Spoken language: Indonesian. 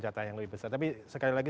jatah yang lebih besar tapi sekali lagi